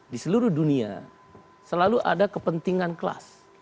di seluruh dunia selalu ada kepentingan kelas